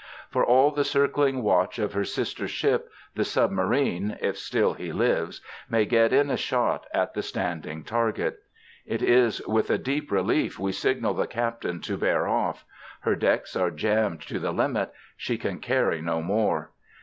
For all the circling watch of her sister ship, the submarine if still he lives may get in a shot at the standing target. It is with a deep relief we signal the captain to bear off. Her decks are jammed to the limit. She can carry no more.